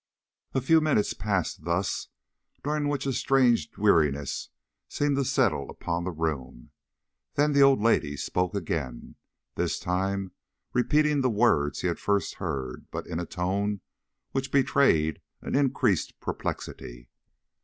A few minutes passed thus, during which a strange dreariness seemed to settle upon the room; then the old lady spoke again, this time repeating the words he had first heard, but in a tone which betrayed an increased perplexity.